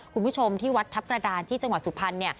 คุณผู้ชมที่วัดทัพกระดานที่จังหวัดสุพรรณ